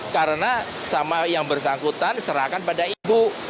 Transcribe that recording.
karena sama yang bersangkutan serahkan pada ibu